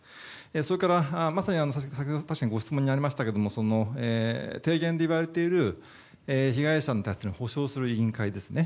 それから、まさに先ほどご質問にありましたけど提言で言われている被害者を補償する委員会ですね。